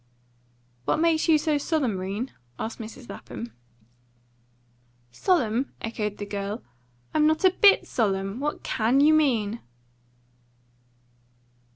"What makes you so solemn, 'Rene?" asked Mrs. Lapham. "Solemn?" echoed the girl. "I'm not a BIT solemn. What CAN you mean?"